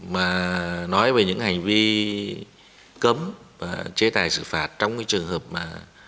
mà nói về những hành vi cấm và chế tài xử phạt trong cái trường hợp mà